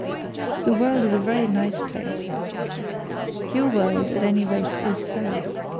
The world is a very nice place. Your world, at any rate, is so.